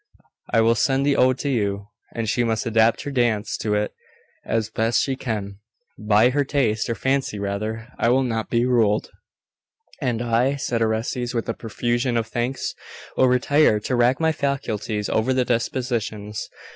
I will send the ode to you, and she must adapt her dance to it as best she can. By her taste, or fancy rather, I will not be ruled.' 'And I,' said Orestes, with a profusion of thanks, 'will retire to rack my faculties over the "dispositions."